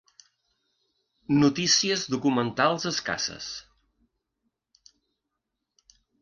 Notícies documentals escasses.